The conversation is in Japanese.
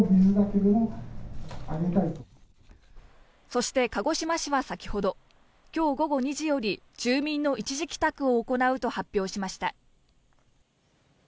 そして鹿児島市は先ほど、今日午後２時より住民の一時帰宅を行うと発表しました。